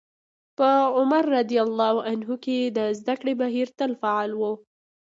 په عمر رض کې د زدکړې بهير تل فعال و.